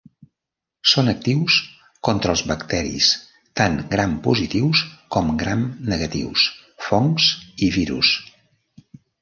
Són actius contra els bacteris tant grampositius com gramnegatius, fongs i virus.